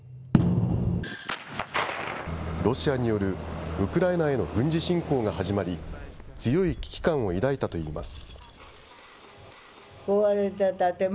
ロシアによるウクライナへの軍事侵攻が始まり、強い危機感を抱いたといいます。